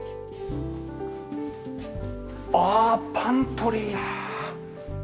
ああパントリー！